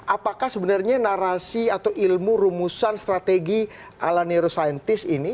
apakah sebenarnya narasi atau ilmu rumusan strategi ala neuroscientist ini